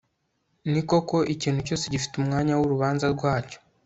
ni koko, ikintu cyose gifite umwanya w'urubanza rwacyo,